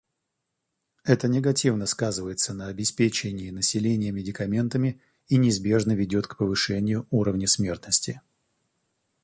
Это негативно сказывается на обеспечении населения медикаментами и неизбежно ведет к повышению уровня смертности.